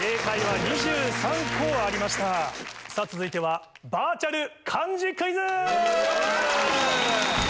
さぁ続いてはバーチャル漢字クイズ！